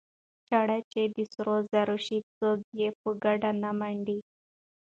ـ چاړه چې د سرو زرو شي څوک يې په ګېډه نه منډي.